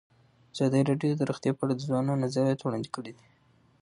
ازادي راډیو د روغتیا په اړه د ځوانانو نظریات وړاندې کړي.